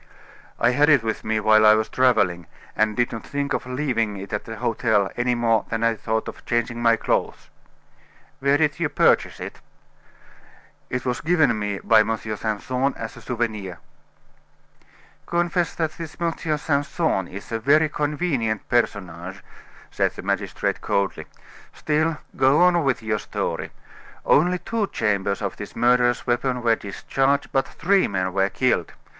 "I had it with me while I was traveling, and did not think of leaving it at the hotel any more than I thought of changing my clothes." "Where did you purchase it?" "It was given me by M. Simpson as a souvenir." "Confess that this M. Simpson is a very convenient personage," said the magistrate coldly. "Still, go on with your story. Only two chambers of this murderous weapon were discharged, but three men were killed.